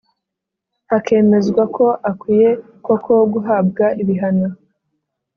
hakemezwa ko akwiye koko guhabwa ibihano